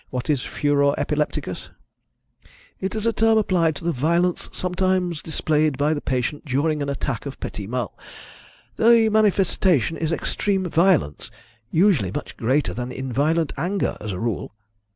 What is furor epilepticus?" "It is a term applied to the violence sometimes displayed by the patient during an attack of petit mal. The manifestation is extreme violence usually much greater than in violent anger, as a rule."